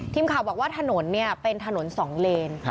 ทีมข่าวบอกว่าถนนเป็นถนน๒เลน